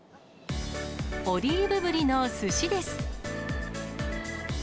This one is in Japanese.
オリーブぶりのすしです。